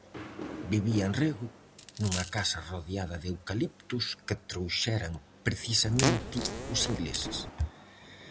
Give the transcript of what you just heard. Vivía en Rego, nunha casa rodeada de eucaliptos que trouxeran precisamente os ingleses.